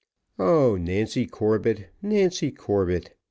O Nancy Corbett! Nancy Corbett!